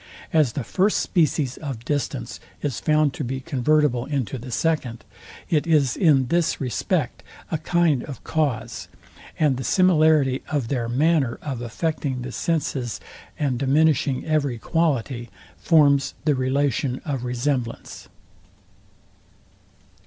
As the first species of distance is found to be convertible into the second, it is in this respect a kind of cause; and the similarity of their manner of affecting the senses, and diminishing every quality, forms the relation of resemblance.